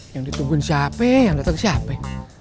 yang ditungguin siapa yang datang siapa